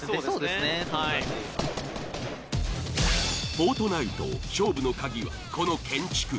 『フォートナイト』勝負の鍵はこの建築。